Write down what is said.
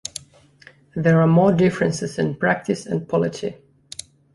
There are more differences in practice and polity.